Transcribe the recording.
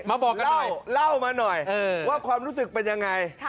บอกกันหน่อยเล่ามาหน่อยว่าความรู้สึกเป็นยังไง